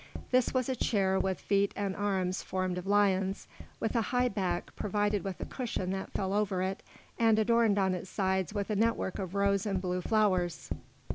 This was a chair with feet and arms formed of lions, with a high back provided with a cushion that fell over it, and adorned on its sides with a network of rose and blue flowers.